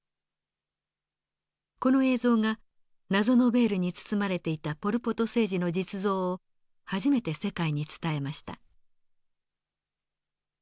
この映像が謎のベールに包まれていたポル・ポト政治の実像を初めて世界に伝えました。